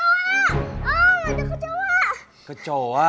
om ada kecoa